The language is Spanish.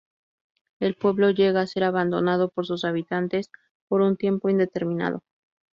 El pueblo llega a ser abandonado por sus habitantes por un tiempo indeterminado.